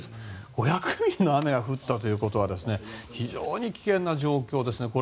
５００ミリの雨が降ったということは非常に危険な状況ですね。